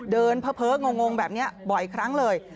เพ้องงแบบนี้บ่อยครั้งเลย